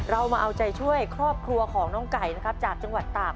เรามาเอาใจช่วยครอบครัวของน้องไก่นะครับจากจังหวัดตาก